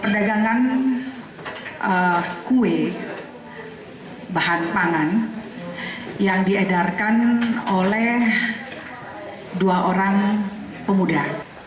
perdagangan kue bahan pangan yang diedarkan oleh dua orang pemuda